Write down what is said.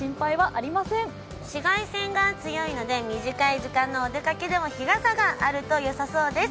紫外線が強いので短いお出かけでも日傘があるとよさそうです。